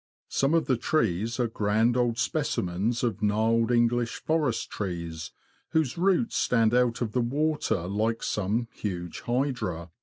Some of the trees are grand old specimens of gnarled English forest trees, whose roots stand out of the water like some huge Hydra.